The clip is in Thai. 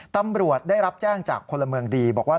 ตำรวจได้รับแจ้งจากพลเมืองดีบอกว่า